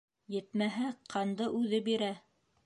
Етмәһә, ҡанды үҙе бирә.